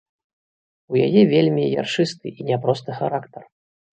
У яе вельмі яршысты і няпросты характар.